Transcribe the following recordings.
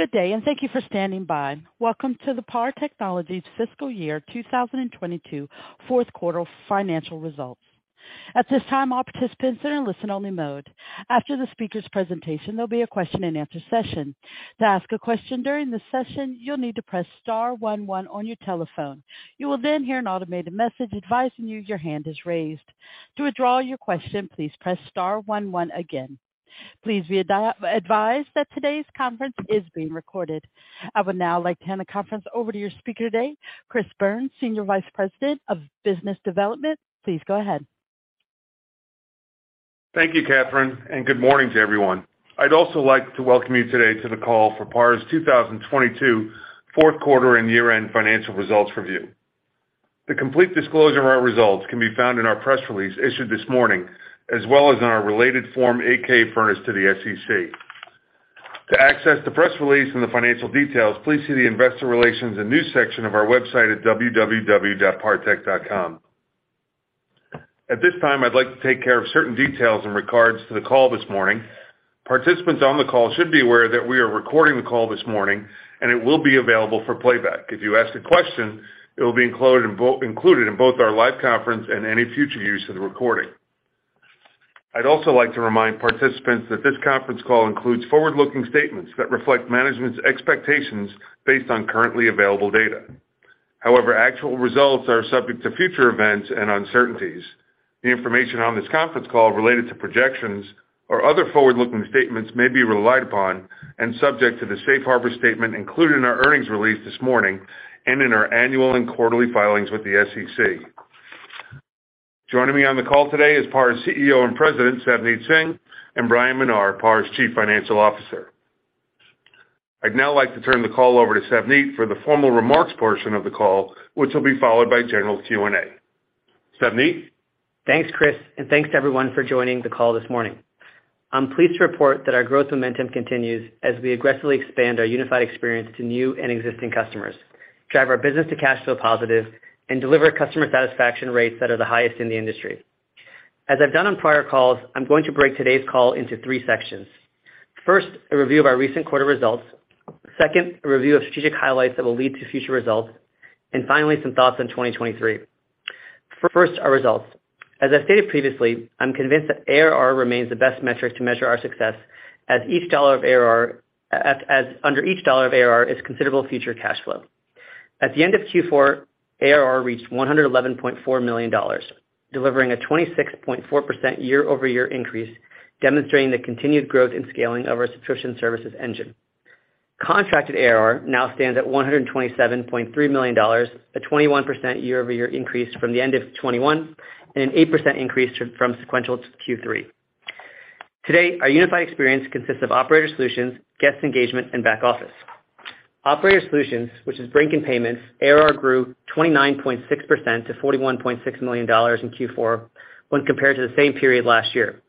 Good day. Thank you for standing by. Welcome to the PAR Technology Fiscal Year 2022 fourth quarter financial results. At this time, all participants are in listen-only mode. After the speaker's presentation, there'll be a question and answer session. To ask a question during the session, you'll need to press star one one on your telephone. You will hear an automated message advising you your hand is raised. To withdraw your question, please press star one one again. Please be advised that today's conference is being recorded. I would now like to hand the conference over to your speaker today, Chris Byrnes, Senior Vice President of Business Development. Please go ahead. Thank you, Catherine, and good morning to everyone. I'd also like to welcome you today to the call for PAR's 2022 fourth quarter and year-end financial results review. The complete disclosure of our results can be found in our press release issued this morning, as well as in our related Form 8-K furnished to the SEC. To access the press release and the financial details, please see the Investor Relations and News section of our website at www.partech.com. At this time, I'd like to take care of certain details in regards to the call this morning. Participants on the call should be aware that we are recording the call this morning, and it will be available for playback. If you ask a question, it will be included in both our live conference and any future use of the recording. I'd also like to remind participants that this conference call includes forward-looking statements that reflect management's expectations based on currently available data. However, actual results are subject to future events and uncertainties. The information on this conference call related to projections or other forward-looking statements may be relied upon and subject to the safe harbor statement included in our earnings release this morning and in our annual and quarterly filings with the SEC. Joining me on the call today is PAR's CEO and President, Savneet Singh, and Bryan Menar, PAR's Chief Financial Officer. I'd now like to turn the call over to Savneet for the formal remarks portion of the call, which will be followed by general Q&A. Savneet? Thanks, Chris, and thanks to everyone for joining the call this morning. I'm pleased to report that our growth momentum continues as we aggressively expand our Unified Experience to new and existing customers, drive our business to cash flow positive, and deliver customer satisfaction rates that are the highest in the industry. As I've done on prior calls, I'm going to break today's call into three sections. First, a review of our recent quarter results. Second, a review of strategic highlights that will lead to future results. Finally, some thoughts on 2023. First, our results. As I stated previously, I'm convinced that ARR remains the best metric to measure our success as each dollar of ARR, under each dollar of ARR is considerable future cash flow. At the end of Q4, ARR reached $111.4 million, delivering a 26.4% year-over-year increase, demonstrating the continued growth and scaling of our Subscription Services engine. Contracted ARR now stands at $127.3 million, a 21% year-over-year increase from the end of 2021 and an 8% increase from sequential to Q3. Today, our Unified Experience consists of Operator Solutions, Guest Engagement, and Back Office. Operator Solutions, which is Brink and Payments, ARR grew 29.6% to $41.6 million in Q4 when compared to the same period last year.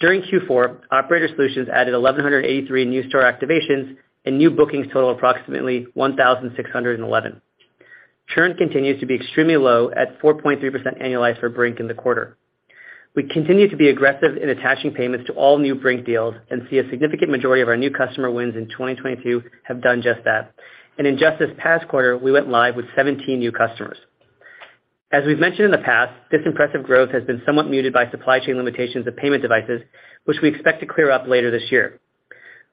During Q4, Operator Solutions added 1,183 new store activations and new bookings total approximately 1,611. Churn continues to be extremely low at 4.3% annualized for Brink in the quarter. We continue to be aggressive in attaching Payments to all new Brink deals and see a significant majority of our new customer wins in 2022 have done just that. In just this past quarter, we went live with 17 new customers. As we've mentioned in the past, this impressive growth has been somewhat muted by supply chain limitations of payment devices, which we expect to clear up later this year.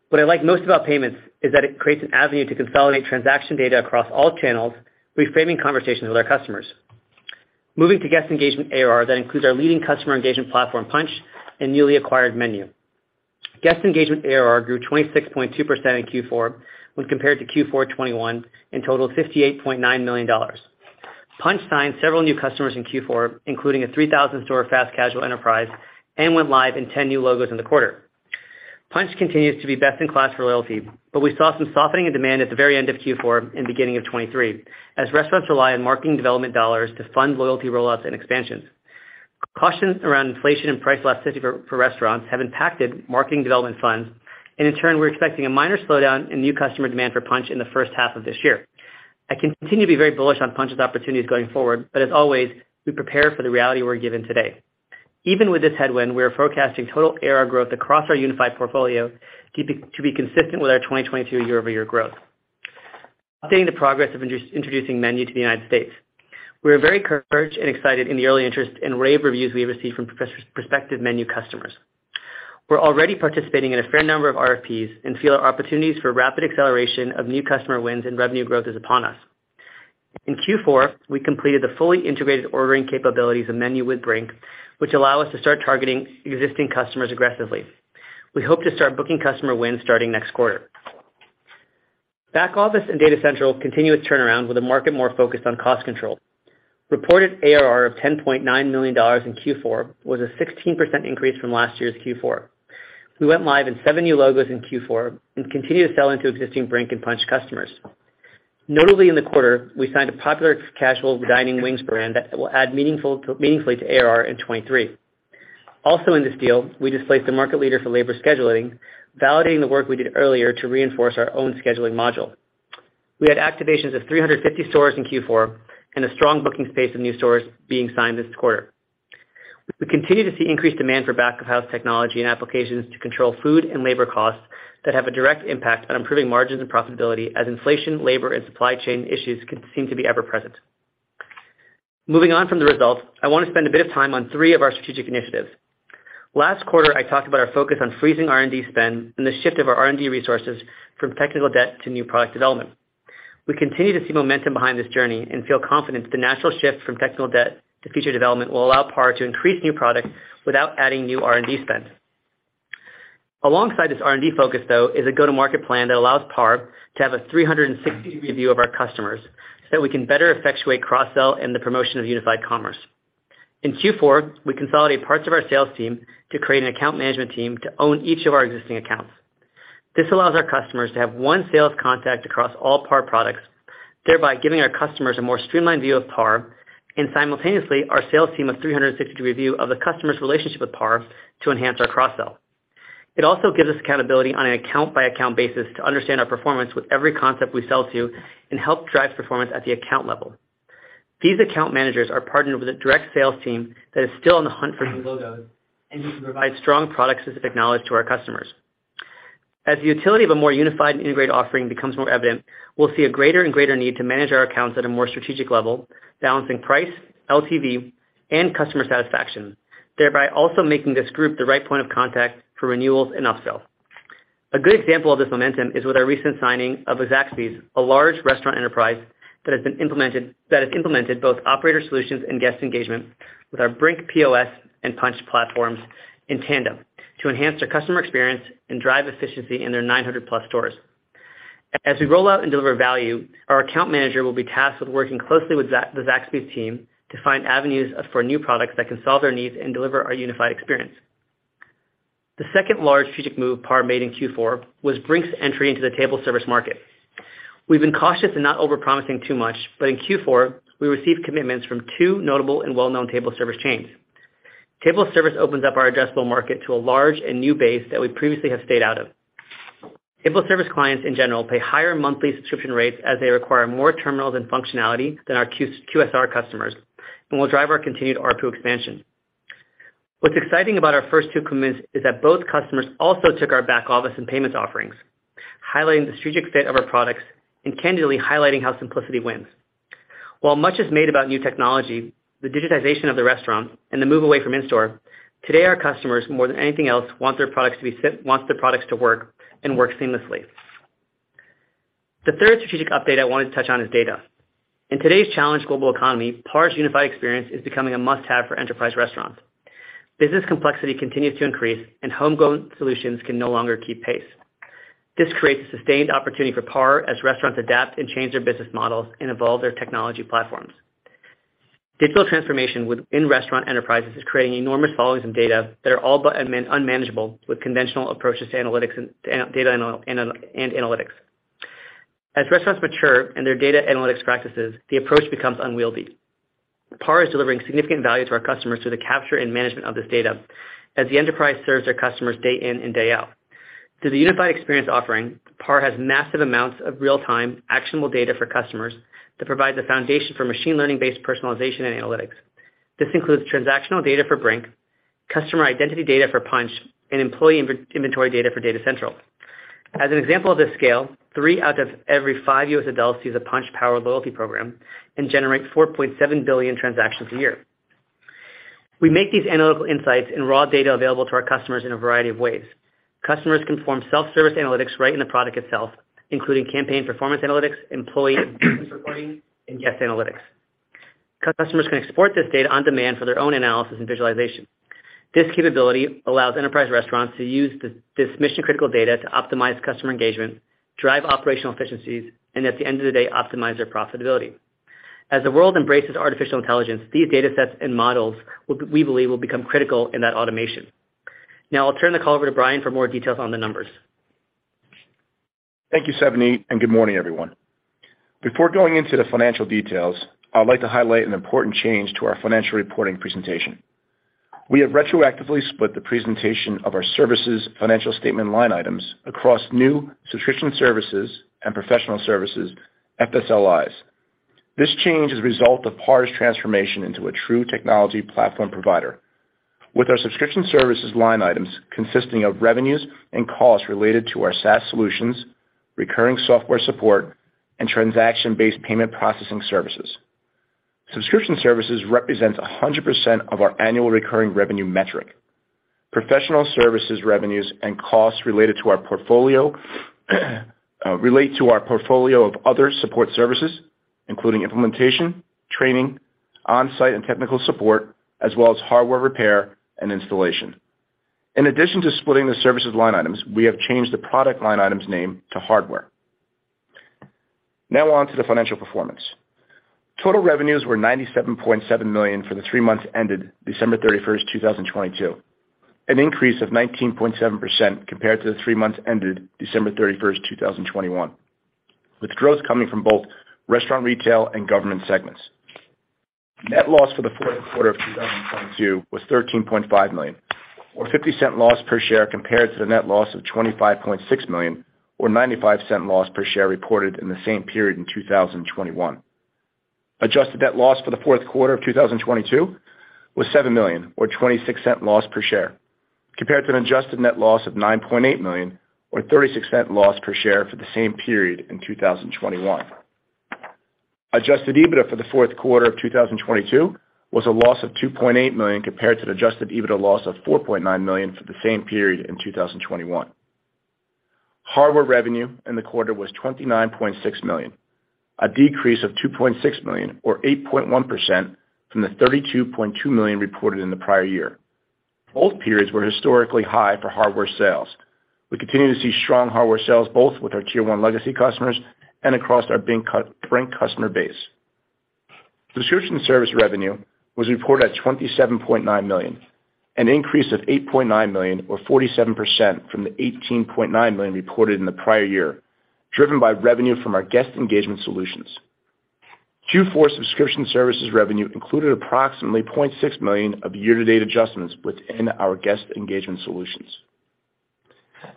What I like most about Payments is that it creates an avenue to consolidate transaction data across all channels, reframing conversations with our customers. Moving to Guest Engagement ARR, that includes our leading customer engagement platform, Punchh, and newly acquired MENU. Guest Engagement ARR grew 26.2% in Q4 when compared to Q4 2021 and totaled $58.9 million. Punchh signed several new customers in Q4, including a 3,000 store fast casual enterprise, and went live in 10 new logos in the quarter. Punchh continues to be best in class for loyalty, We saw some softening in demand at the very end of Q4 and beginning of 2023 as restaurants rely on marketing development dollars to fund loyalty rollouts and expansions. Cautions around inflation and price elasticity for restaurants have impacted marketing development funds. In turn, we're expecting a minor slowdown in new customer demand for Punchh in the first half of this year. I continue to be very bullish on Punchh's opportunities going forward. As always, we prepare for the reality we're given today. Even with this headwind, we are forecasting total ARR growth across our Unified portfolio to be consistent with our 2022 year-over-year growth. Updating the progress of introducing MENU to the United States. We are very encouraged and excited in the early interest and rave reviews we have received from prospective MENU customers. We're already participating in a fair number of RFPs and feel our opportunities for rapid acceleration of new customer wins and revenue growth is upon us. In Q4, we completed the fully integrated ordering capabilities of MENU with Brink, which allow us to start targeting existing customers aggressively. We hope to start booking customer wins starting next quarter. Back office and Data Central continue its turnaround with the market more focused on cost control. Reported ARR of $10.9 million in Q4 was a 16% increase from last year's Q4. We went live in seven new logos in Q4 and continue to sell into existing Brink and Punchh customers. Notably in the quarter, we signed a popular casual dining wings brand that will add meaningfully to ARR in 2023. Also in this deal, we displaced the market leader for labor scheduling, validating the work we did earlier to reinforce our own scheduling module. We had activations of 350 stores in Q4 and a strong booking space of new stores being signed this quarter. We continue to see increased demand for back-of-house technology and applications to control food and labor costs that have a direct impact on improving margins and profitability as inflation, labor, and supply chain issues seem to be ever present. Moving on from the results, I wanna spend a bit of time on three of our strategic initiatives. Last quarter, I talked about our focus on freezing R&D spend and the shift of our R&D resources from technical debt to new product development. We continue to see momentum behind this journey and feel confident the natural shift from technical debt to future development will allow PAR to increase new products without adding new R&D spend. Alongside this R&D focus, though, is a go-to-market plan that allows PAR to have a 360 degree view of our customers so that we can better effectuate cross-sell and the promotion of Unified commerce. In Q4, we consolidate parts of our sales team to create an account management team to own each of our existing accounts. This allows our customers to have one sales contact across all PAR products, thereby giving our customers a more streamlined view of PAR and simultaneously our sales team a 360 degree view of the customer's relationship with PAR to enhance our cross-sell. It also gives us accountability on an an account-by-account basis to understand our performance with every concept we sell to and help drive performance at the account level. These account managers are partnered with a direct sales team that is still on the hunt for new logos and who can provide strong product-specific knowledge to our customers. As the utility of a more unified and integrated offering becomes more evident, we'll see a greater and greater need to manage our accounts at a more strategic level, balancing price, LTV, and customer satisfaction, thereby also making this group the right point of contact for renewals and upsell. A good example of this momentum is with our recent signing of Zaxby's, a large restaurant enterprise that has implemented both operator solutions and guest engagement with our Brink POS and Punchh platforms in tandem to enhance their customer experience and drive efficiency in their 900+ stores. As we roll out and deliver value, our account manager will be tasked with working closely with the Zaxby's team to find avenues for new products that can solve their needs and deliver our Unified Experience. The second large strategic move PAR made in Q4 was Brink's entry into the table service market. We've been cautious in not overpromising too much, but in Q4, we received commitments from two notable and well-known table service chains. Table service opens up our addressable market to a large and new base that we previously have stayed out of. Table service clients, in general, pay higher monthly subscription rates as they require more terminals and functionality than our QSR customers and will drive our continued ARPU expansion. What's exciting about our first two commitments is that both customers also took our Back Office and Payments offerings, highlighting the strategic fit of our products and candidly highlighting how simplicity wins. While much is made about new technology, the digitization of the restaurant, and the move away from in-store, today, our customers, more than anything else, want their products to work and work seamlessly. The third strategic update I wanted to touch on is data. In today's challenged global economy, PAR's Unified Experience is becoming a must-have for enterprise restaurants. Business complexity continues to increase. Homegrown solutions can no longer keep pace. This creates a sustained opportunity for PAR as restaurants adapt and change their business models and evolve their technology platforms. Digital transformation within restaurant enterprises is creating enormous volumes of data that are all but unmanageable with conventional approaches to analytics and data and analytics. As restaurants mature in their data analytics practices, the approach becomes unwieldy. PAR is delivering significant value to our customers through the capture and management of this data as the enterprise serves their customers day in and day out. Through the Unified Experience offering, PAR has massive amounts of real-time, actionable data for customers that provide the foundation for machine learning-based personalization and analytics. This includes transactional data for Brink, customer identity data for Punchh, and employee inventory data for Data Central. As an example of this scale, three out of every five U.S. adults use a Punchh loyalty program and generate $4.7 billion transactions a year. We make these analytical insights and raw data available to our customers in a variety of ways. Customers can form self-service analytics right in the product itself, including campaign performance analytics, employee reporting, and guest analytics. Customers can export this data on demand for their own analysis and visualization. This capability allows enterprise restaurants to use this mission-critical data to optimize customer engagement, drive operational efficiencies, and at the end of the day, optimize their profitability. As the world embraces artificial intelligence, these datasets and models we believe will become critical in that automation. I'll turn the call over to Bryan for more details on the numbers. Thank you, Savneet. Good morning, everyone. Before going into the financial details, I would like to highlight an important change to our financial reporting presentation. We have retroactively split the presentation of our services financial statement line items across new Subscription Services and Professional Services FSLIs. This change is a result of PAR's transformation into a true technology platform provider, with our Subscription services line items consisting of revenues and costs related to our SaaS solutions, recurring software support, and transaction-based payment processing services. Subscription Services represents 100% of our annual recurring revenue metric. Professional Services revenues and costs related to our portfolio relate to our portfolio of other support services, including implementation, training, on-site and technical support, as well as hardware repair and installation. In addition to splitting the services line items, we have changed the product line items name to Hardware. Now on to the financial performance. Total revenues were $97.7 million for the three months ended December 31st, 2022, an increase of 19.7% compared to the three months ended December 31st, 2021, with growth coming from both restaurant retail and government segments. Net loss for the fourth quarter of 2022 was $13.5 million. $0.50 loss per share compared to the net loss of $25.6 million, or $0.95 loss per share reported in the same period in 2021. Adjusted net loss for the fourth quarter of 2022 was $7 million, or $0.26 loss per share, compared to an adjusted net loss of $9.8 million, or $0.36 loss per share for the same period in 2021. Adjusted EBITDA for the fourth quarter of 2022 was a loss of $2.8 million compared to the Adjusted EBITDA loss of $4.9 million for the same period in 2021. Hardware revenue in the quarter was $29.6 million, a decrease of $2.6 million or 8.1% from the $32.2 million reported in the prior year. Both periods were historically high for Hardware sales. We continue to see strong Hardware sales both with our tier one legacy customers and across our current customer base. Subscription Service revenue was reported at $27.9 million, an increase of $8.9 million, or 47% from the $18.9 million reported in the prior year, driven by revenue from our Guest Engagement Solutions. Q4 Subscription Services revenue included approximately $0.6 million of year-to-date adjustments within our Guest Engagement Solutions.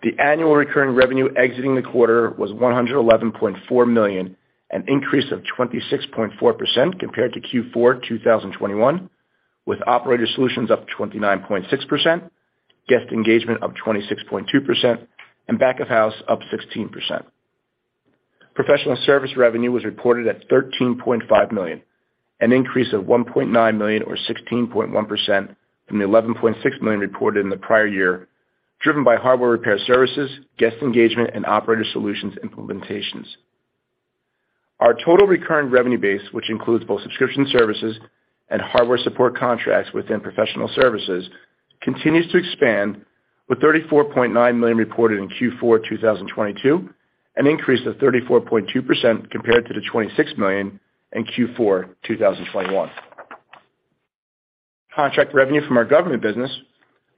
The annual recurring revenue exiting the quarter was $111.4 million, an increase of 26.4% compared to Q4 2021, with Operator solutions up 29.6%, Guest Engagement up 26.2%, and Back Office up 16%. Professional Service revenue was reported at $13.5 million, an increase of $1.9 million, or 16.1% from the $11.6 million reported in the prior year, driven by hardware repair services, guest engagement, and operator solutions implementations. Our total recurring revenue base, which includes both Subscription Services and Hardware support contracts within Professional Services, continues to expand with $34.9 million reported in Q4 2022, an increase of 34.2% compared to the $26 million in Q4 2021. Contract revenue from our government business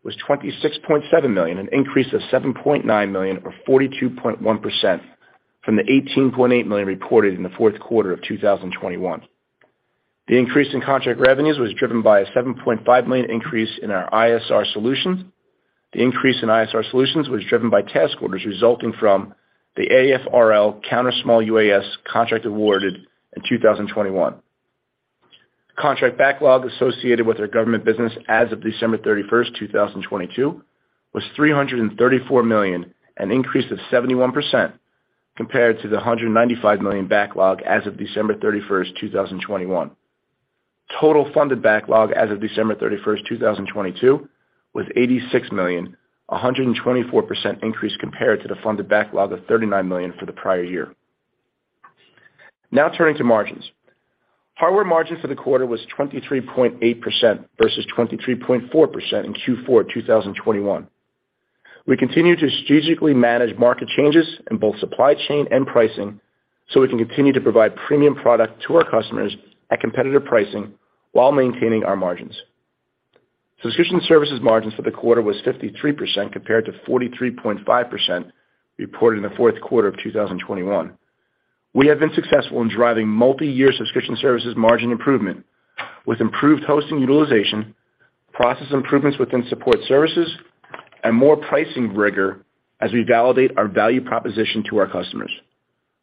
was $26.7 million, an increase of $7.9 million, or 42.1% from the $18.8 million reported in the fourth quarter of 2021. The increase in contract revenues was driven by a $7.5 million increase in our ISR solutions. The increase in ISR solutions was driven by task orders resulting from the AFRL counter-small UAS contract awarded in 2021. Contract backlog associated with our government business as of December 31st, 2022, was $334 million, an increase of 71% compared to the $195 million backlog as of December 31st, 2021. Total funded backlog as of December 31st, 2022, was $86 million, a 124% increase compared to the funded backlog of $39 million for the prior year. Turning to margins. Hardware margin for the quarter was 23.8% versus 23.4% in Q4 2021. We continue to strategically manage market changes in both supply chain and pricing so we can continue to provide premium product to our customers at competitive pricing while maintaining our margins. Subscription Services margins for the quarter was 53% compared to 43.5% reported in the fourth quarter of 2021. We have been successful in driving multiyear Subscription Services margin improvement with improved hosting utilization, process improvements within support services, and more pricing rigor as we validate our value proposition to our customers.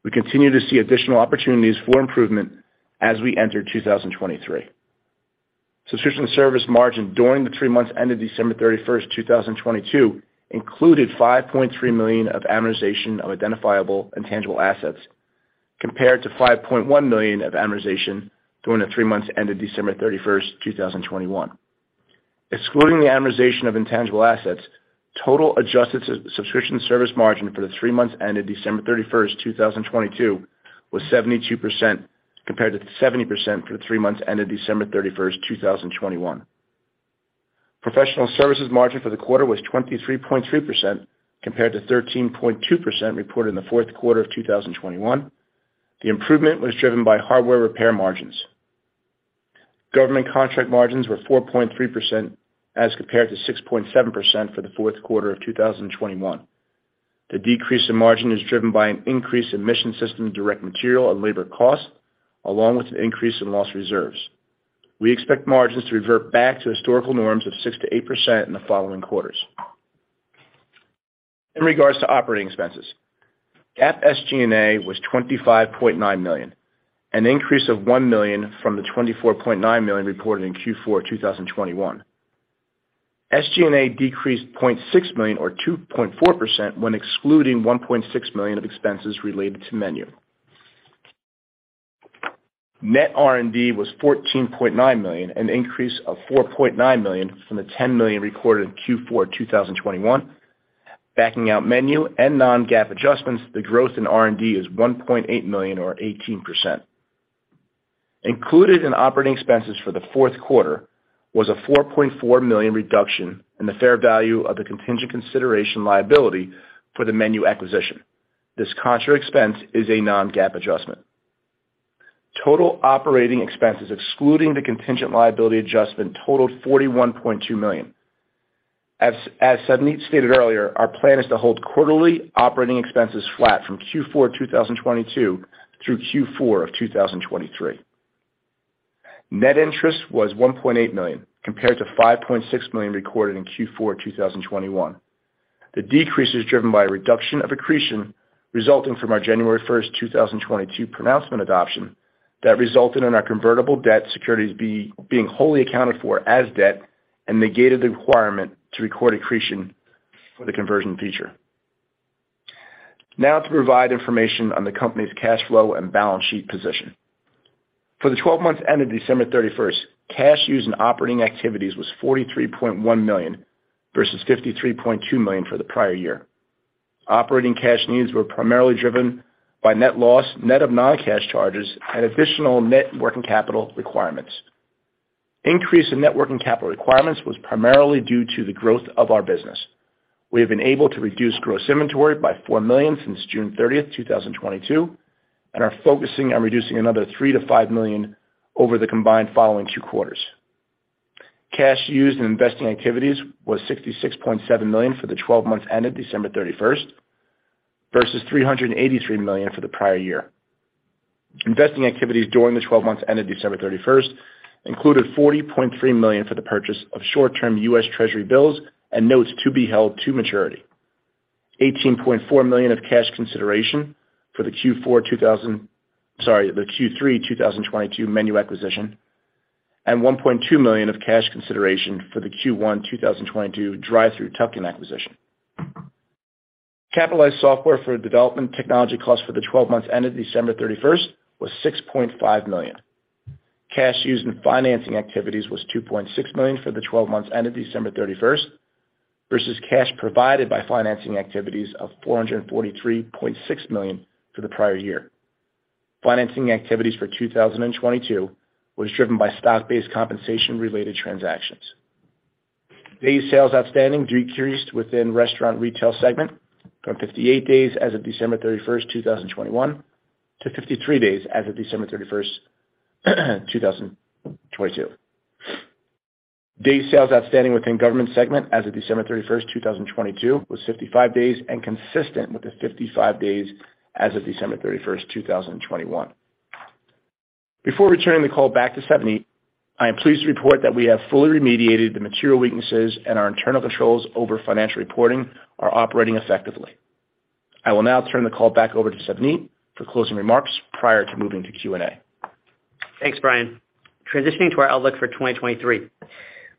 We continue to see additional opportunities for improvement as we enter 2023. Subscription Service margin during the three months ended December 31st, 2022 included $5.3 million of amortization of identifiable intangible assets compared to $5.1 million of amortization during the three months ended December 31st, 2021. Excluding the amortization of intangible assets, total adjusted Subscription Service margin for the three months ended December 31st, 2022, was 72% compared to 70% for the three months ended December 31st, 2021. Professional Services margin for the quarter was 23.3% compared to 13.2% reported in the fourth quarter of 2021. The improvement was driven by hardware repair margins. Government contract margins were 4.3% as compared to 6.7% for the fourth quarter of 2021. The decrease in margin is driven by an increase in mission system direct material and labor costs, along with an increase in loss reserves. We expect margins to revert back to historical norms of 6%-8% in the following quarters. In regards to operating expenses, GAAP SG&A was $25.9 million, an increase of $1 million from the $24.9 million reported in Q4 2021. SG&A decreased $0.6 million or 2.4% when excluding $1.6 million of expenses related to MENU. Net R&D was $14.9 million, an increase of $4.9 million from the $10 million recorded in Q4 2021. Backing out MENU and Non-GAAP adjustments, the growth in R&D is $1.8 million or 18%. Included in operating expenses for the fourth quarter was a $4.4 million reduction in the fair value of the contingent consideration liability for the MENU acquisition. This contra expense is a Non-GAAP adjustment. Total operating expenses excluding the contingent liability adjustment totaled $41.2 million. As Savneet stated earlier, our plan is to hold quarterly operating expenses flat from Q4 2022 through Q4 2023. Net interest was $1.8 million compared to $5.6 million recorded in Q4 2021. The decrease is driven by a reduction of accretion resulting from our January 1, 2022 pronouncement adoption that resulted in our convertible debt securities being wholly accounted for as debt and negated the requirement to record accretion for the conversion feature. To provide information on the company's cash flow and balance sheet position. For the 12 months ended December 31st, cash used in operating activities was $43.1 million versus $53.2 million for the prior year. Operating cash needs were primarily driven by net loss, net of non-cash charges, and additional net working capital requirements. Increase in net working capital requirements was primarily due to the growth of our business. We have been able to reduce gross inventory by $4 million since June 30, 2022 and are focusing on reducing another $3 million-$5 million over the combined following two quarters. Cash used in investing activities was $66.7 million for the 12 months ended December 31st versus $383 million for the prior year. Investing activities during the 12 months ended December 31st included $40.3 million for the purchase of short-term U.S. Treasury bills and notes to be held to maturity. $18.4 million of cash consideration for the Q3 2022 MENU acquisition, and $1.2 million of cash consideration for the Q1 2022 drive-thru tuck-in acquisition. Capitalized software for development technology costs for the 12 months ended December 31st was $6.5 million. Cash used in financing activities was $2.6 million for the 12 months ended December 31st versus cash provided by financing activities of $443.6 million for the prior year. Financing activities for 2022 was driven by stock-based compensation related transactions. Days sales outstanding decreased within restaurant retail segment from 58 days as of December 31st 2021 to 53 days as of December 31st 2022. Days sales outstanding within government segment as of December 31st 2022 was 55 days and consistent with the 55 days as of December 31st 2021. Before returning the call back to Savneet, I am pleased to report that we have fully remediated the material weaknesses and our internal controls over financial reporting are operating effectively. I will now turn the call back over to Savneet for closing remarks prior to moving to Q&A. Thanks, Bryan. Transitioning to our outlook for 2023.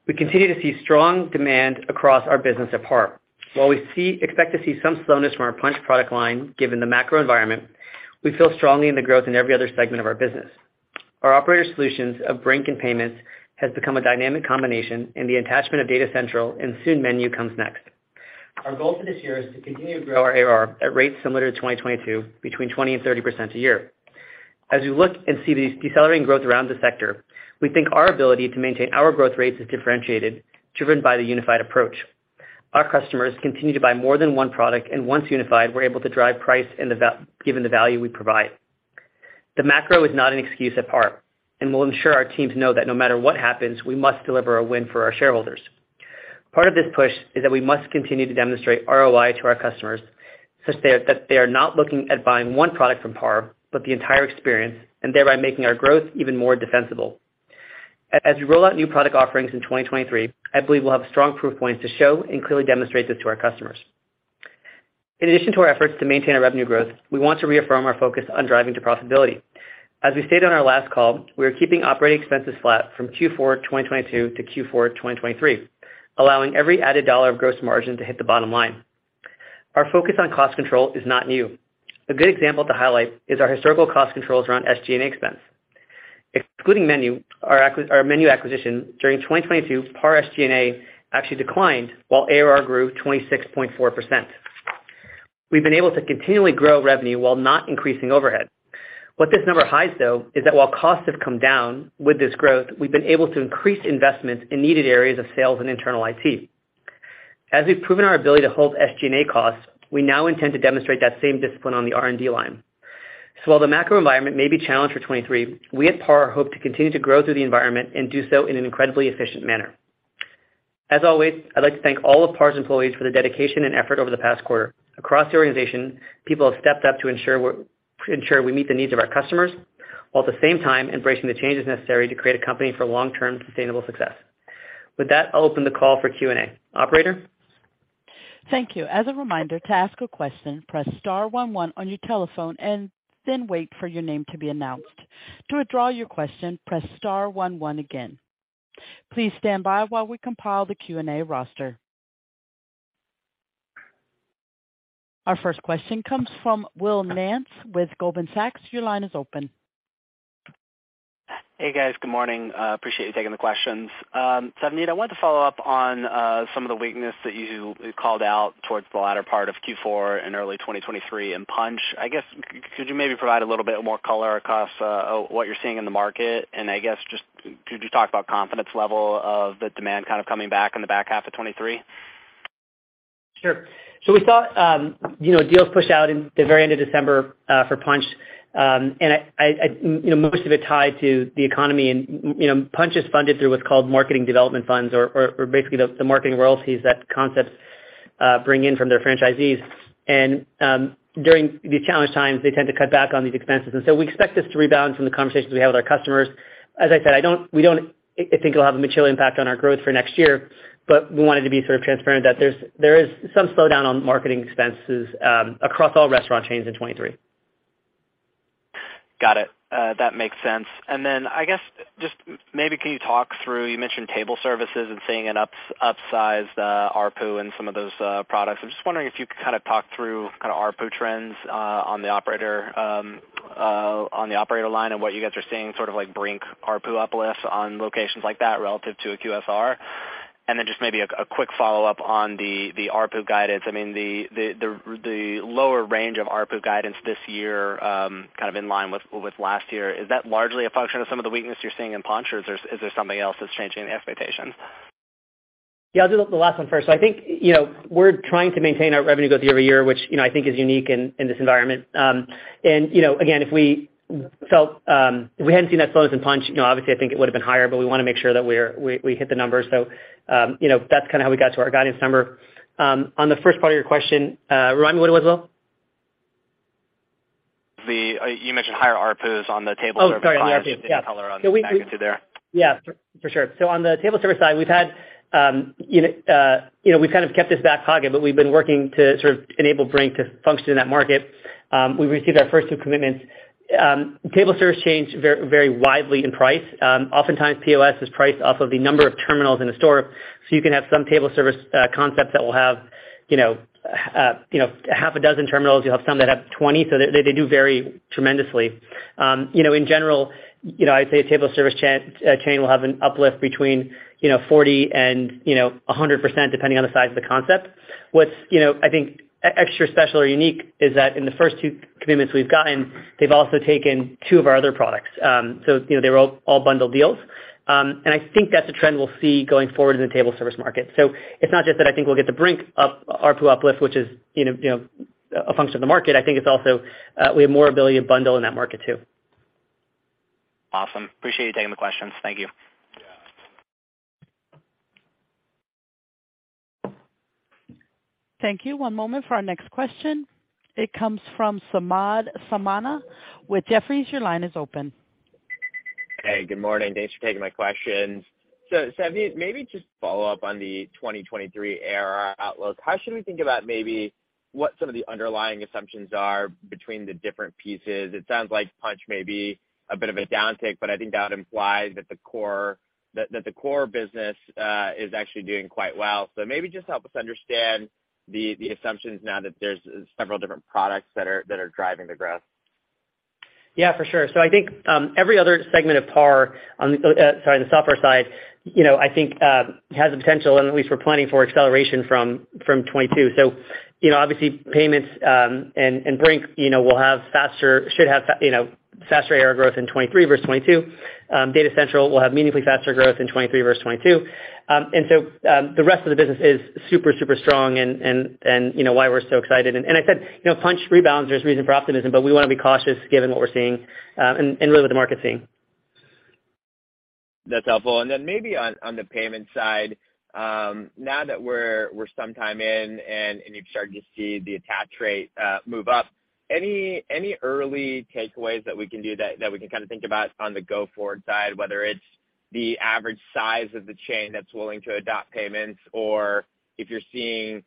We continue to see strong demand across our business at PAR. While we expect to see some slowness from our Punchh product line, given the macro environment, we feel strongly in the growth in every other segment of our business. Our Operator Solutions of Brink and Payments has become a dynamic combination in the attachment of Data Central, and soon MENU comes next. Our goal for this year is to continue to grow our ARR at rates similar to 2022, between 20% and 30% a year. As we look and see these decelerating growth around the sector, we think our ability to maintain our growth rates is differentiated, driven by the Unified approach. Our customers continue to buy more than one product, and once unified, we're able to drive price given the value we provide. The macro is not an excuse at PAR. We'll ensure our teams know that no matter what happens, we must deliver a win for our shareholders. Part of this push is that we must continue to demonstrate ROI to our customers, such that they are not looking at buying one product from PAR, but the entire experience, and thereby making our growth even more defensible. As we roll out new product offerings in 2023, I believe we'll have strong proof points to show and clearly demonstrate this to our customers. In addition to our efforts to maintain our revenue growth, we want to reaffirm our focus on driving to profitability. As we stated on our last call, we are keeping operating expenses flat from Q4 2022-Q4 2023, allowing every added dollar of gross margin to hit the bottom line. Our focus on cost control is not new. A good example to highlight is our historical cost controls around SG&A expense. Excluding MENU, our MENU acquisition during 2022, PAR SG&A actually declined while ARR grew 26.4%. We've been able to continually grow revenue while not increasing overhead. What this number hides, though, is that while costs have come down with this growth, we've been able to increase investments in needed areas of sales and internal IT. As we've proven our ability to hold SG&A costs, we now intend to demonstrate that same discipline on the R&D line. While the macro environment may be challenged for 2023, we at PAR hope to continue to grow through the environment and do so in an incredibly efficient manner. As always, I'd like to thank all of PAR's employees for the dedication and effort over the past quarter. Across the organization, people have stepped up to ensure we meet the needs of our customers while at the same time embracing the changes necessary to create a company for long-term sustainable success. With that, I'll open the call for Q&A. Operator? Thank you. As a reminder, to ask a question, press star one one on your telephone and then wait for your name to be announced. To withdraw your question, press star one one again. Please stand by while we compile the Q&A roster. Our first question comes from Will Nance with Goldman Sachs. Your line is open. Hey, guys. Good morning. appreciate you taking the questions. Savneet, I wanted to follow up on some of the weakness that you called out towards the latter part of Q4 and early 2023 in Punchh. I guess, could you maybe provide a little bit more color across what you're seeing in the market? I guess just could you talk about confidence level of the demand kind of coming back in the back half of 2023? Sure. We saw, you know, deals push out in the very end of December, for Punchh. I, you know, most of it tied to the economy and, you know, Punchh is funded through what's called marketing development funds or basically the marketing royalties that concepts bring in from their franchisees. During these challenged times, they tend to cut back on these expenses. We expect this to rebound from the conversations we have with our customers. As I said, I think it'll have a material impact on our growth for next year, but we wanted to be sort of transparent that there is some slowdown on marketing expenses, across all restaurant chains in 2023. Got it. That makes sense. I guess just maybe can you talk through, you mentioned table services and seeing an upsized ARPU in some of those products. I'm just wondering if you could talk through ARPU trends on the operator, on the operator line and what you guys are seeing sort of like Brink ARPU uplifts on locations like that relative to a QSR. Just maybe a quick follow-up on the ARPU guidance. I mean, the lower range of ARPU guidance this year, kind of in line with last year, is that largely a function of some of the weakness you're seeing in Punchh, or is there something else that's changing the expectations? Yeah, I'll do the last one first. I think, you know, we're trying to maintain our revenue growth year-over-year, which, you know, I think is unique in this environment. You know, again, if we felt if we hadn't seen that slowdown in Punchh, you know, obviously I think it would've been higher, but we wanna make sure that we hit the numbers. You know, that's kind of how we got to our guidance number. On the first part of your question, remind me what it was, Will? You mentioned higher ARPUs on the table service side. Oh, sorry on ARPU. Yeah. Can you give some color on the back into there? Yeah. For sure. On the table service side, we've kind of kept this back pocket, but we've been working to sort of enable Brink to function in that market. We've received our first two commitments. Table service chains vary very widely in price. Oftentimes, POS is priced off of the number of terminals in a store. You can have some table service concepts that will have half a dozen terminals. You'll have some that have 20. They do vary tremendously. In general, I'd say a table service chain will have an uplift between 40% and 100% depending on the size of the concept. What's, you know, I think extra special or unique is that in the first two commitments we've gotten, they've also taken two of our other products. You know, they were all bundled deals. I think that's a trend we'll see going forward in the table service market. It's not just that I think we'll get the Brink up- ARPU uplift, which is, you know, a function of the market. I think it's also, we have more ability to bundle in that market too. Awesome. Appreciate you taking the questions. Thank you. Yeah. Thank you. One moment for our next question. It comes from Samad Samana with Jefferies. Your line is open. Hey, good morning. Thanks for taking my questions. Savneet, maybe just follow up on the 2023 ARR outlook. How should we think about maybe what some of the underlying assumptions are between the different pieces? It sounds like Punchh may be a bit of a downtick, but I think that implies that the core, that the core business, is actually doing quite well. Maybe just help us understand the assumptions now that there's several different products that are driving the growth. Yeah, for sure. I think, every other segment of PAR on the, sorry, the software side, you know, I think, has the potential and at least we're planning for acceleration from 2022. Obviously Payments, and Brink, you know, should have faster ARR growth in 2023 versus 2022. Data Central will have meaningfully faster growth in 2023 versus 2022. The rest of the business is super strong and you know, why we're so excited. I said, you know, Punchh rebounds, there's reason for optimism, but we wanna be cautious given what we're seeing, and really what the market's seeing. That's helpful. Then maybe on the Payments side, now that we're some time in and you've started to see the attach rate move up, any early takeaways that we can do that we can kind of think about on the go forward side, whether it's the average size of the chain that's willing to adopt Payments or if you're seeing,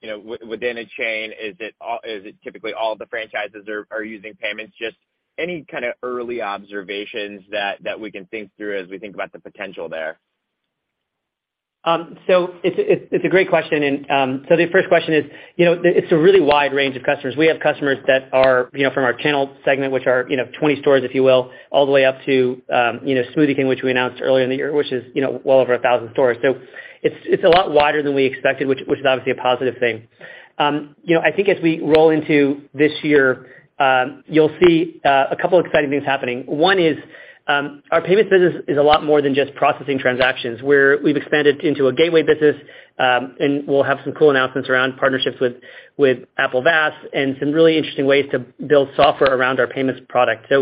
you know, within a chain, is it typically all the franchises are using Payments? Just any kind of early observations that we can think through as we think about the potential there? It's a great question. The first question is, you know, it's a really wide range of customers. We have customers that are, you know, from our channel segment, which are, you know, 20 stores, if you will, all the way up to, you know, Smoothie King, which we announced earlier in the year, which is, you know, well over 1,000 stores. It's a lot wider than we expected, which is obviously a positive thing. You know, I think as we roll into this year, you'll see a couple of exciting things happening. One is, our Payments business is a lot more than just processing transactions where we've expanded into a gateway business, and we'll have some cool announcements around partnerships with Apple Wallet and some really interesting ways to build software around our Payments product.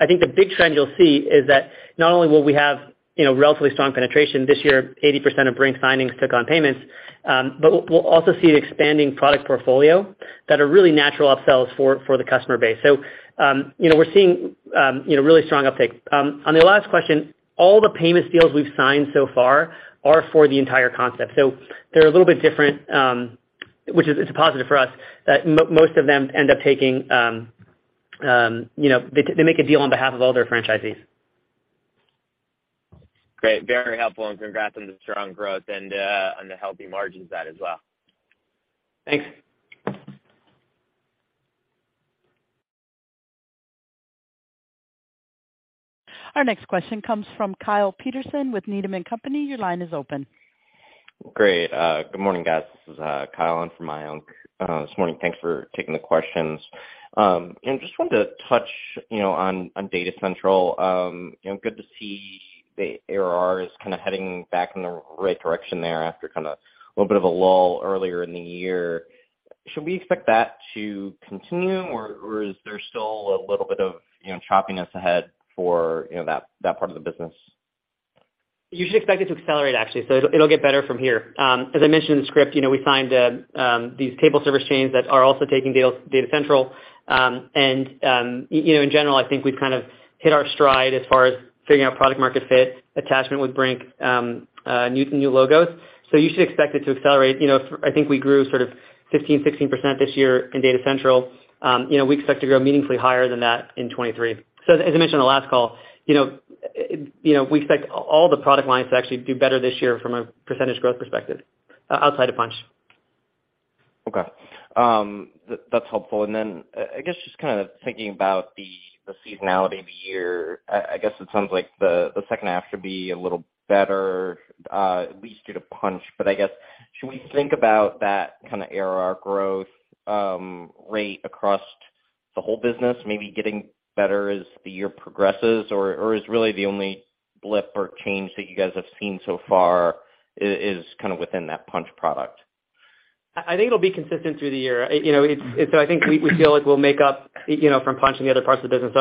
I think the big trend you'll see is that not only will we have, you know, relatively strong penetration, this year 80% of Brink signings took on Payments, but we'll also see an expanding product portfolio that are really natural upsells for the customer base. You know, we're seeing, you know, really strong uptake. On the last question, all the Payments deals we've signed so far are for the entire concept. They're a little bit different, which is, it's a positive for us, most of them end up taking, you know, they make a deal on behalf of all their franchisees. Great. Very helpful and congrats on the strong growth and on the healthy margins side as well. Thanks. Our next question comes from Kyle Peterson with Needham & Company. Your line is open. Great. Good morning, guys. This is Kyle on for Mayank this morning. Thanks for taking the questions. Just wanted to touch, you know, on Data Central. You know, good to see the ARR is kind of heading back in the right direction there after kind of a little bit of a lull earlier in the year. Should we expect that to continue or is there still a little bit of, you know, choppiness ahead for, you know, that part of the business? You should expect it to accelerate actually. It'll get better from here. As I mentioned in the script, you know, we signed these table service chains that are also taking Data Central. You know, in general, I think we've kind of hit our stride as far as figuring out product market fit, attachment with Brink, new logos. You should expect it to accelerate. You know, I think we grew sort of 15%, 16% this year in Data Central. You know, we expect to grow meaningfully higher than that in 2023. As I mentioned on the last call, you know, we expect all the product lines to actually do better this year from a percentage growth perspective, outside of Punchh. Okay. That's helpful. Then I guess just kinda thinking about the seasonality of the year, I guess it sounds like the second half should be a little better, at least due to Punchh. I guess, should we think about that kind of ARR growth rate across the whole business maybe getting better as the year progresses? Is really the only blip or change that you guys have seen so far is kind of within that Punchh product? I think it'll be consistent through the year. You know, we feel like we'll make up, you know, from Punchh in the other parts of the business.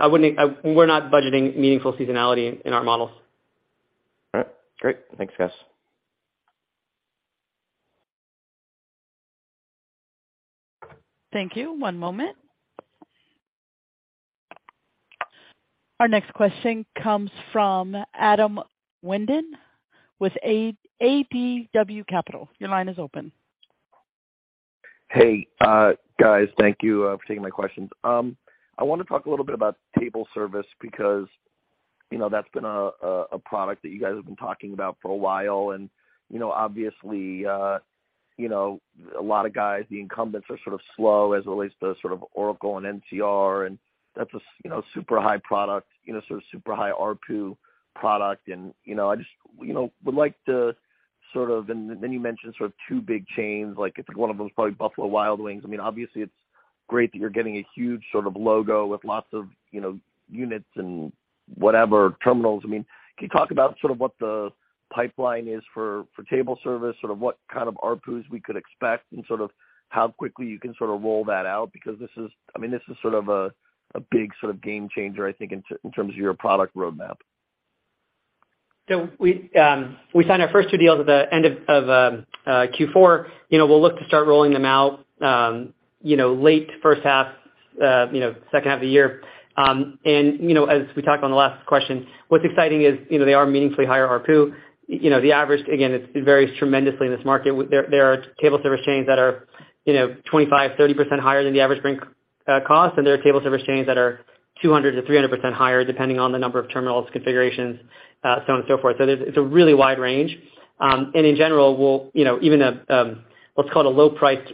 I wouldn't, we're not budgeting meaningful seasonality in our models. All right. Great. Thanks, guys. Thank you. One moment. Our next question comes from Adam Wyden with ADW Capital. Your line is open. Hey, guys. Thank you for taking my questions. I want to talk a little bit about table service because, you know, that's been a product that you guys have been talking about for a while. You know, obviously, you know, a lot of guys, the incumbents are sort of slow as it relates to Oracle and NCR, and that's a you know, super high product, you know, sort of super high ARPU product. You know, I just, you know, would like to sort of. Then you mentioned sort of two big chains, like I think one of them is probably Buffalo Wild Wings. I mean, obviously it's great that you're getting a huge sort of logo with lots of, you know, units and whatever terminals. I mean, can you talk about sort of what the pipeline is for table service, sort of what kind of ARPUs we could expect and sort of how quickly you can sort of roll that out? This is, I mean, a big sort of game changer, I think, in terms of your product roadmap. We signed our first two deals at the end of Q4. You know, we'll look to start rolling them out, you know, late first half, you know, second half of the year. As we talked on the last question, what's exciting is, you know, they are meaningfully higher ARPU. You know, the average, again, it varies tremendously in this market. There are table service chains that are, you know, 25%-30% higher than the average Brink cost, and there are table service chains that are 200%-300% higher, depending on the number of terminals, configurations, so on and so forth. It's a really wide range. In general, we'll, you know, even a what's called a low priced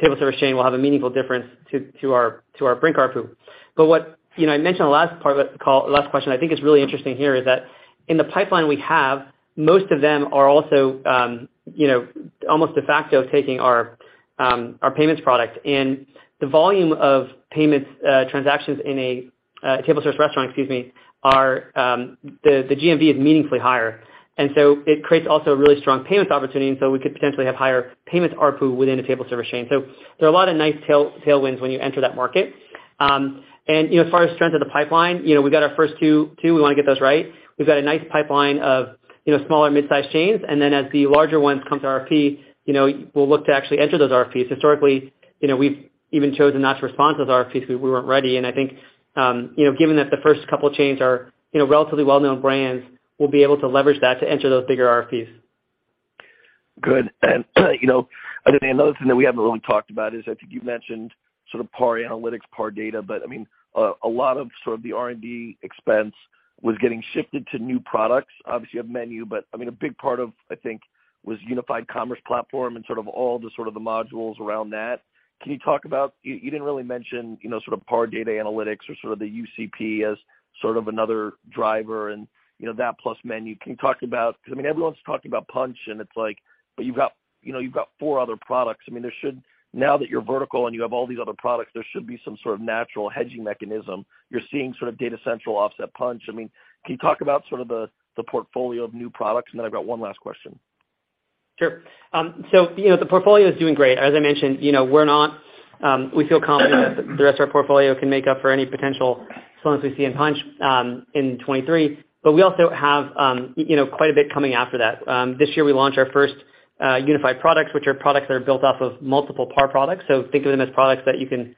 table service chain will have a meaningful difference to our Brink ARPU. What, you know, I mentioned the last part of that call, last question, I think is really interesting here is that in the pipeline we have, most of them are also, you know, almost de facto taking our Payments product. The volume of payments transactions in a table service restaurant, excuse me, are the GMV is meaningfully higher. It creates also a really strong payments opportunity, and so we could potentially have higher payments ARPU within a table service chain. There are a lot of nice tailwinds when you enter that market. You know, as far as strength of the pipeline, you know, we got our first two, we wanna get those right. We've got a nice pipeline of, you know, smaller mid-size chains. As the larger ones come to RFP, you know, we'll look to actually enter those RFPs. Historically, you know, we've even chosen not to respond to those RFPs if we weren't ready. I think, you know, given that the first couple chains are, you know, relatively well-known brands, we'll be able to leverage that to enter those bigger RFPs. Good. You know, I know the another thing that we haven't really talked about is I think you mentioned sort of PAR analytics, PAR data, but I mean, a lot of sort of the R&D expense was getting shifted to new products. Obviously, you have MENU, but I mean, a big part of, I think, was Unified commerce platform and sort of all the sort of the modules around that. You didn't really mention, you know, sort of PAR data analytics or sort of the UCP as sort of another driver and, you know, that plus MENU. Because I mean, everyone's talking about Punchh and it's like, but you've got, you know, you've got four other products. I mean, now that you're vertical and you have all these other products, there should be some sort of natural hedging mechanism. You're seeing sort of Data Central offset Punchh. I mean, can you talk about sort of the portfolio of new products? I've got one last question. Sure. you know, the portfolio is doing great. As I mentioned, you know, we're not, we feel confident that the rest of our portfolio can make up for any potential slowness we see in Punchh in 2023. We also have, you know, quite a bit coming after that. This year we launched our first Unified products, which are products that are built off of multiple PAR products. So think of them as products that you can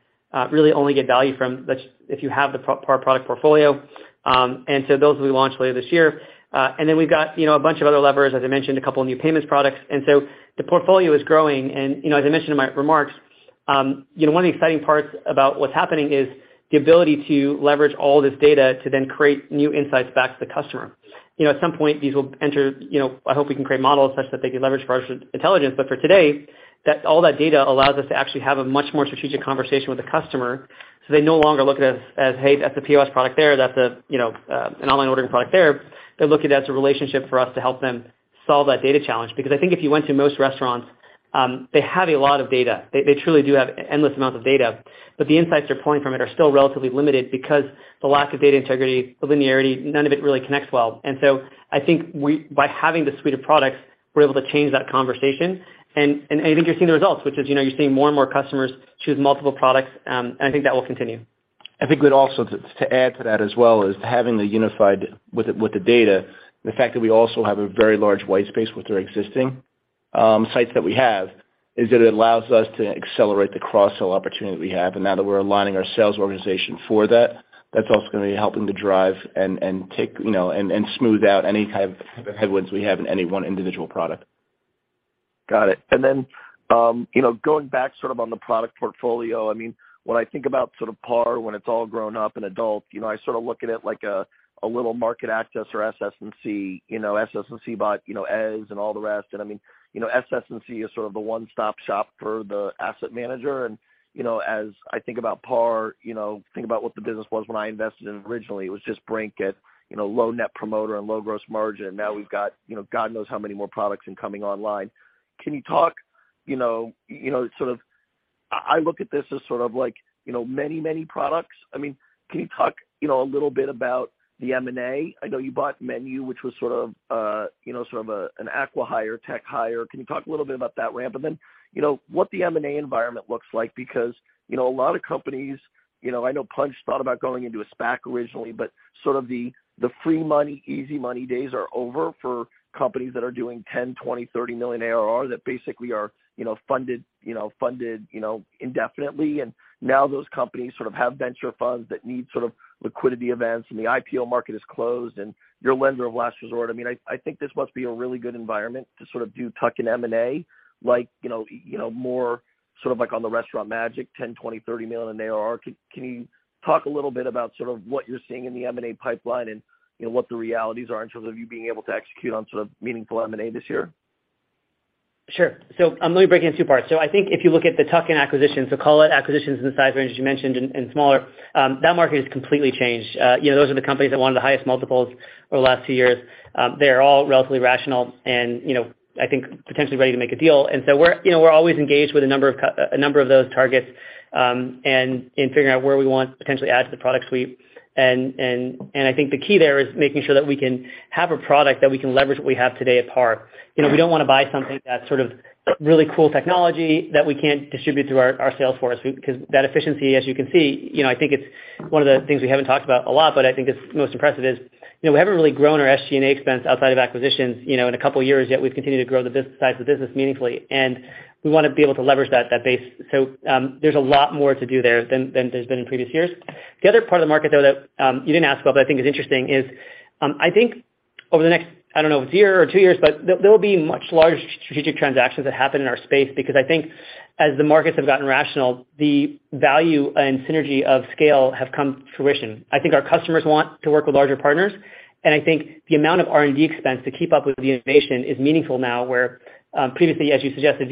really only get value from that if you have the PAR product portfolio. Those will be launched later this year. Then we've got, you know, a bunch of other levers, as I mentioned, a couple of new Payments products. The portfolio is growing. You know, as I mentioned in my remarks, you know, one of the exciting parts about what's happening is the ability to leverage all this data to then create new insights back to the customer. You know, at some point, these will enter, you know, I hope we can create models such that they can leverage large intelligence. For today, all that data allows us to actually have a much more strategic conversation with the customer, so they no longer look at us as, "Hey, that's a POS product there. That's a, you know, an online ordering product there." They're looking at it as a relationship for us to help them solve that data challenge. I think if you went to most restaurants, they have a lot of data. They truly do have endless amounts of data, but the insights they're pulling from it are still relatively limited because the lack of data integrity, the linearity, none of it really connects well. I think we, by having this suite of products, we're able to change that conversation. I think you're seeing the results, which is, you know, you're seeing more and more customers choose multiple products. I think that will continue. I think we'd also to add to that as well is having a unified with the data, the fact that we also have a very large white space with our existing sites that we have is that it allows us to accelerate the cross-sell opportunity we have. Now that we're aligning our sales organization for that's also gonna be helping to drive and take, you know, and smooth out any kind of headwinds we have in any one individual product. Got it. Then, you know, going back sort of on the product portfolio, I mean, when I think about sort of PAR when it's all grown up and adult, you know, I sort of look at it like a little market access or SS&C. You know, SS&C bought, you know, Eze and all the rest. I mean, you know, SS&C is sort of the one-stop shop for the asset manager. You know, as I think about PAR, you know, think about what the business was when I invested in it originally, it was just Brink at, you know, low net promoter and low gross margin. Now we've got, you know, God knows how many more products in coming online. Can you talk, you know, sort of I look at this as sort of like, you know, many products. I mean, can you talk, you know, a little bit about the M&A? I know you bought MENU, which was sort of, you know, an acqui-hire, tech hire. Can you talk a little bit about that ramp? Then, you know, what the M&A environment looks like? You know, a lot of companies, you know, I know Punchh thought about going into a SPAC originally, sort of the free money, easy money days are over for companies that are doing $10 million, $20 million, $30 million ARR that basically are, you know, funded, you know, indefinitely. Now those companies sort of have venture funds that need sort of liquidity events, the IPO market is closed, and you're a lender of last resort. I mean, I think this must be a really good environment to sort of do tuck-in M&A, like, you know, more sort of like on the Restaurant Magic, $10 million, $20 million, $30 million in ARR. Can you talk a little bit about sort of what you're seeing in the M&A pipeline and, you know, what the realities are in terms of you being able to execute on sort of meaningful M&A this year? Sure. I'm gonna break it in two parts. I think if you look at the tuck-in acquisitions, so call it acquisitions in the size range you mentioned and smaller, that market has completely changed. You know, those are the companies that wanted the highest multiples over the last two years. They are all relatively rational and, you know, I think potentially ready to make a deal. We're, you know, we're always engaged with a number of those targets, and figuring out where we want to potentially add to the product suite. I think the key there is making sure that we can have a product that we can leverage what we have today at PAR. You know, we don't wanna buy something that's sort of really cool technology that we can't distribute through our sales force because that efficiency, as you can see, you know, I think it's one of the things we haven't talked about a lot, but I think is most impressive is, you know, we haven't really grown our SG&A expense outside of acquisitions, you know, in a couple years, yet we've continued to grow the size of the business meaningfully, and we wanna be able to leverage that base. There's a lot more to do there than there's been in previous years. The other part of the market, though, that you didn't ask about, but I think is interesting is, I think over the next, I don't know, one year or two years, but there will be much larger strategic transactions that happen in our space because I think as the markets have gotten rational, the value and synergy of scale have come to fruition. I think our customers want to work with larger partners, and I think the amount of R&D expense to keep up with the innovation is meaningful now, where previously, as you suggested,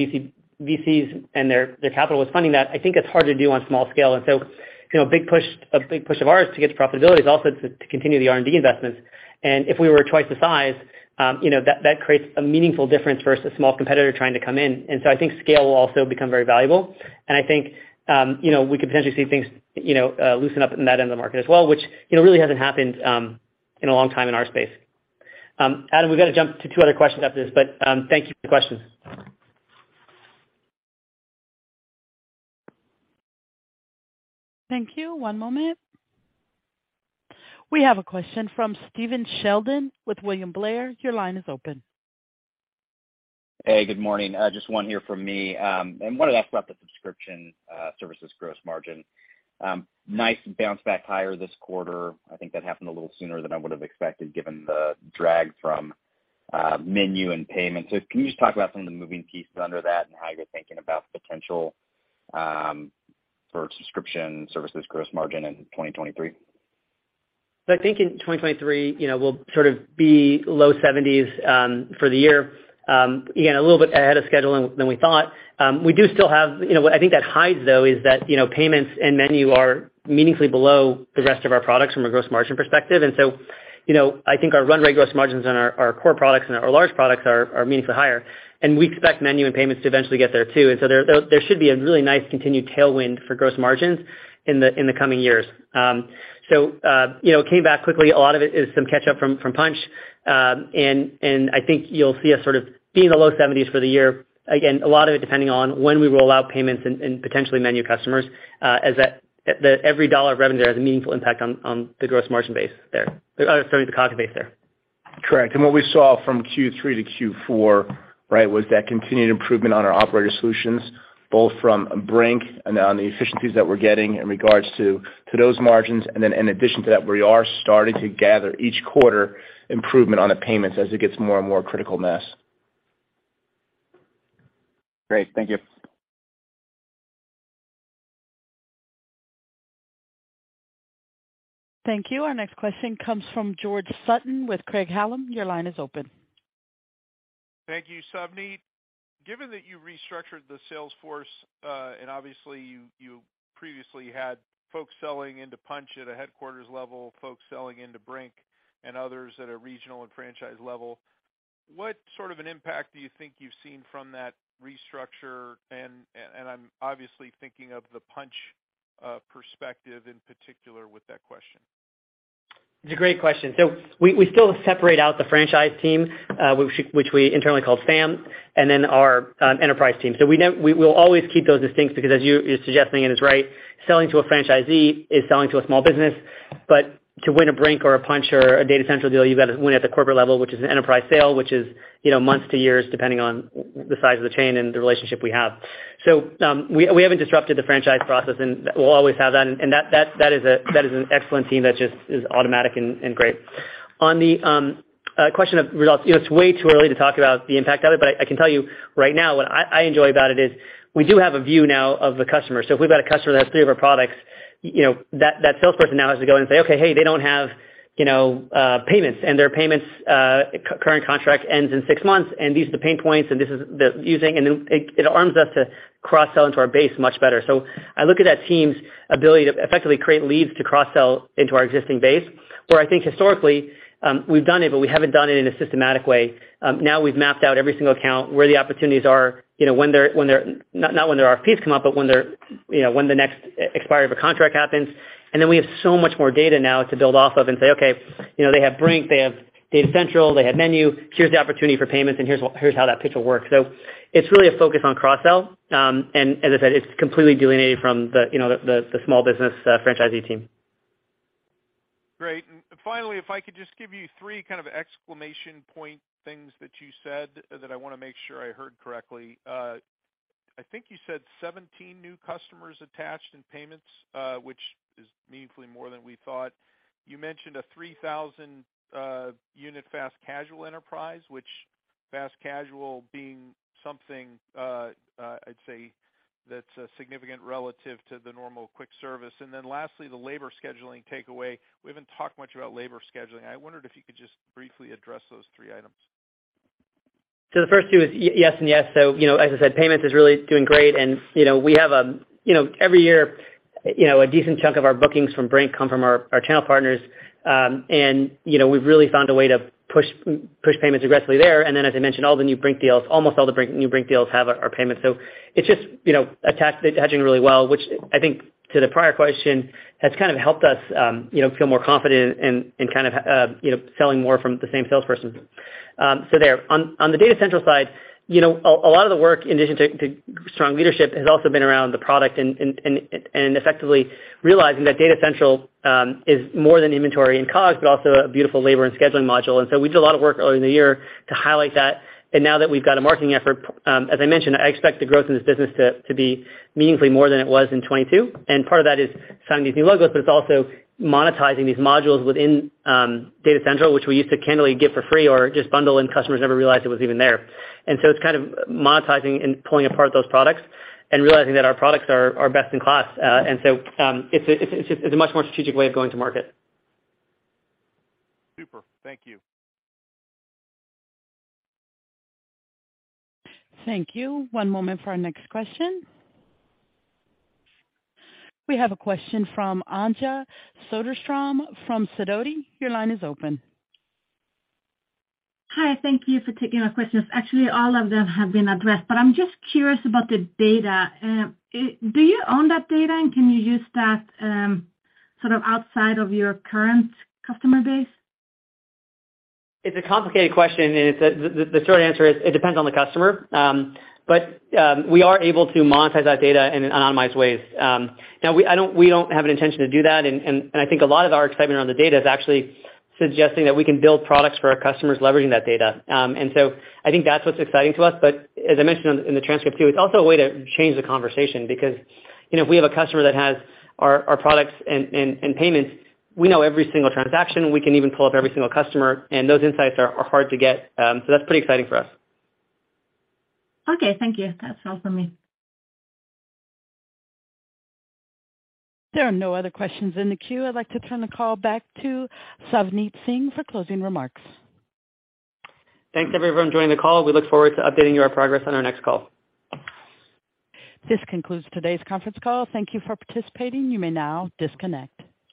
VCs and their capital was funding that. I think it's hard to do on small scale. You know, a big push of ours to get to profitability is also to continue the R&D investments. If we were twice the size, you know, that creates a meaningful difference versus a small competitor trying to come in. I think scale will also become very valuable. I think, you know, we could potentially see things, you know, loosen up in that end of the market as well, which, you know, really hasn't happened in a long time in our space. Adam, we've got to jump to two other questions after this, but, thank you for the question. Thank you. One moment. We have a question from Stephen Sheldon with William Blair. Your line is open. Hey, good morning. Just one here from me. Wanted to ask about the Subscription Services gross margin. Nice bounce back higher this quarter. I think that happened a little sooner than I would have expected given the drag from MENU and Payments. Can you just talk about some of the moving pieces under that and how you're thinking about potential for Subscription Services gross margin in 2023? I think in 2023, you know, we'll sort of be low 70s for the year. Again, a little bit ahead of schedule than we thought. We do still have. You know, what I think that hides, though, is that, you know, Payments and MENU are meaningfully below the rest of our products from a gross margin perspective. I think our run rate gross margins on our core products and our large products are meaningfully higher. We expect MENU and Payments to eventually get there too. There should be a really nice continued tailwind for gross margins in the coming years. You know, it came back quickly. A lot of it is some catch up from Punchh. I think you'll see us sort of be in the low 70s for the year. Again, a lot of it depending on when we roll out Payments and potentially MENU customers, as the every dollar of revenue there has a meaningful impact on the gross margin base there. Sorry, the COGS base there. Correct. What we saw from Q3 to Q4, right, was that continued improvement on our operator solutions, both from Brink and on the efficiencies that we're getting in regards to those margins. In addition to that, we are starting to gather each quarter improvement on the Payments as it gets more and more critical mass. Great. Thank you. Thank you. Our next question comes from George Sutton with Craig-Hallum. Your line is open. Thank you, Savneet. Given that you restructured the sales force, and obviously you previously had folks selling into Punchh at a headquarters level, folks selling into Brink and others at a regional and franchise level, what sort of an impact do you think you've seen from that restructure? I'm obviously thinking of the Punchh perspective in particular with that question. It's a great question. We still separate out the franchise team, which we internally call SAM, and then our enterprise team. We will always keep those distinct because as you're suggesting, and it's right, selling to a franchisee is selling to a small business. To win a Brink or a Punchh or a Data Central deal, you've got to win at the corporate level, which is an enterprise sale, which is, you know, months to years, depending on the size of the chain and the relationship we have. We haven't disrupted the franchise process, and we'll always have that. That is an excellent team that just is automatic and great. On the question of results, you know, it's way too early to talk about the impact of it, but I can tell you right now, what I enjoy about it is we do have a view now of the customer. If we've got a customer that has three of our products, you know, that salesperson now has to go in and say, "Okay, hey, they don't have, you know, payments, and their payments current contract ends in six months, and these are the pain points, and this is the using." It, it arms us to cross-sell into our base much better. I look at that team's ability to effectively create leads to cross-sell into our existing base, where I think historically, we've done it, but we haven't done it in a systematic way. Now we've mapped out every single account, where the opportunities are, not when their RFPs come up, but when the next expiry of a contract happens. Then we have so much more data now to build off of and say, "Okay, they have Brink, they have Data Central, they have MENU. Here's the opportunity for Payments, and here's how that pitch will work." So it's really a focus on cross-sell. As I said, it's completely delineated from the small business franchisee team. Great. Finally, if I could just give you three kind of exclamation point things that you said that I wanna make sure I heard correctly. I think you said 17 new customers attached in Payments, which is meaningfully more than we thought. You mentioned a 3,000 unit fast casual enterprise, which fast casual being something, I'd say that's significant relative to the normal quick service. Lastly, the labor scheduling takeaway. We haven't talked much about labor scheduling. I wondered if you could just briefly address those three items. The first two is yes and yes. You know, as I said, Payments is really doing great. You know, we have a, you know, every year, you know, a decent chunk of our bookings from Brink come from our channel partners. You know, we've really found a way to push Payments aggressively there. As I mentioned, all the new Brink deals, almost all the new Brink deals have our Payments. It's just, you know, they're attaching really well, which I think, to the prior question, has kind of helped us, you know, feel more confident in kind of, you know, selling more from the same salesperson there. On the Data Central side, you know, a lot of the work in addition to strong leadership has also been around the product and effectively realizing that Data Central is more than inventory and COGS, but also a beautiful labor and scheduling module. We did a lot of work earlier in the year to highlight that. Now that we've got a marketing effort, as I mentioned, I expect the growth in this business to be meaningfully more than it was in 2022. Part of that is signing these new logos, but it's also monetizing these modules within Data Central, which we used to candidly give for free or just bundle, and customers never realized it was even there. It's kind of monetizing and pulling apart those products and realizing that our products are best in class. It's a much more strategic way of going to market. Super. Thank you. Thank you. One moment for our next question. We have a question from Anja Soderstrom from Sidoti. Your line is open. Hi. Thank you for taking my questions. Actually, all of them have been addressed. I'm just curious about the data. Do you own that data, and can you use that, sort of outside of your current customer base? It's a complicated question, the short answer is it depends on the customer. We are able to monetize that data in anonymized ways. Now we don't have an intention to do that. I think a lot of our excitement around the data is actually suggesting that we can build products for our customers leveraging that data. I think that's what's exciting to us. As I mentioned in the transcript, too, it's also a way to change the conversation because, you know, if we have a customer that has our products and payments, we know every single transaction. We can even pull up every single customer, and those insights are hard to get. That's pretty exciting for us. Okay. Thank you. That's all for me. There are no other questions in the queue. I'd like to turn the call back to Savneet Singh for closing remarks. Thanks everyone joining the call. We look forward to updating you on progress on our next call. This concludes today's conference call. Thank you for participating. You may now disconnect.